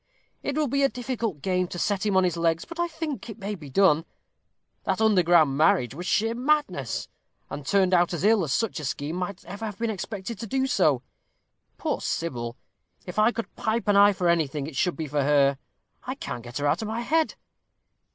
It will be a difficult game to set him on his legs, but I think it may be done. That underground marriage was sheer madness, and turned out as ill as such a scheme might have been expected to do. Poor Sybil! if I could pipe an eye for anything, it should be for her. I can't get her out of my head.